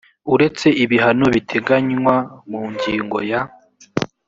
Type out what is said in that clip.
uretse ibihano biteganywa mu ngingo ya